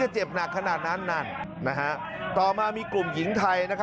จริงจริงจริงจริงจริงจริง